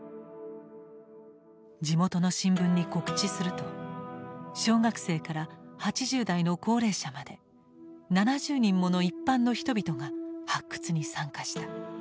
地元の新聞に告知すると小学生から８０代の高齢者まで７０人もの一般の人々が発掘に参加した。